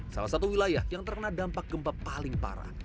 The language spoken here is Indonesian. salah satu wilayah yang terkena dampak gempa paling parah